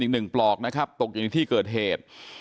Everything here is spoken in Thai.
อีกหนึ่งปลอกนะครับตกอยู่ในที่เกิดเหตุ